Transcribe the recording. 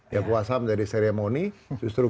ya puasa menjadi seremoni justru